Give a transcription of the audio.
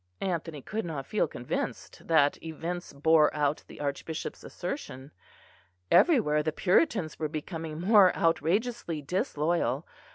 Anthony could not feel convinced that events bore out the Archbishop's assertion. Everywhere the Puritans were becoming more outrageously disloyal.